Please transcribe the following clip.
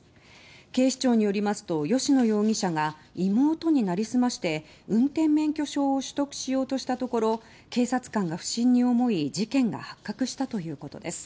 警視庁によりますと吉野容疑者が妹に成り済まして運転免許証を取得しようとしたところ警察官が不審に思い事件が発覚したということです。